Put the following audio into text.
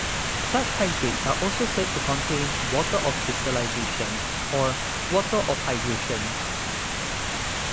Such hydrates are also said to contain "water of crystallization" or "water of hydration".